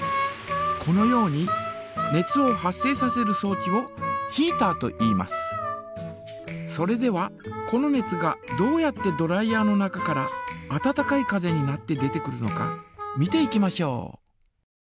このように熱を発生させるそう置をそれではこの熱がどうやってドライヤ−の中から温かい風になって出てくるのか見ていきましょう。